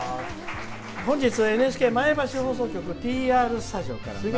本日ＮＨＫ前橋放送局ＴＲスタジオから。